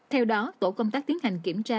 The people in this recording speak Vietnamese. theo đó tổ công tác tiến hành kiểm tra